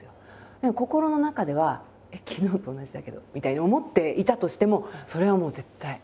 でも心の中では「昨日と同じだけど」みたいに思っていたとしてもそれはもう絶対。